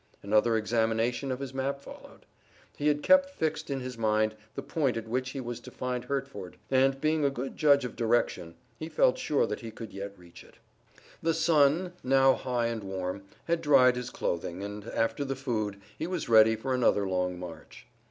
Another examination of his map followed. He had kept fixed in his mind the point at which he was to find Hertford, and, being a good judge of direction, he felt sure that he could yet reach it. The sun, now high and warm, had dried his clothing, and, after the food, he was ready for another long march.